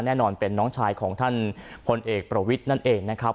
แน่นอนเป็นน้องชายของท่านพลเอกประวิทย์นั่นเองนะครับ